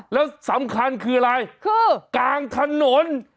แล้วสำคัญคืออะไรคือกลางถนน